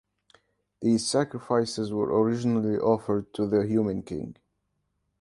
These sacrifices were originally offered to the human king.